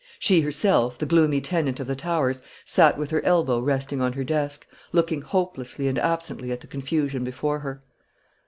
She herself, the gloomy tenant of the Towers, sat with her elbow resting on her desk, looking hopelessly and absently at the confusion before her.